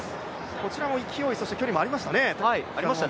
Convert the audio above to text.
こちらも勢い、そして距離もありましたね。